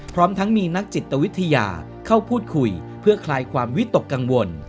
พร้อมทั้งมีนักจิตวิทยาเข้าพูดคุยเพื่อคลายความวิตกกังวล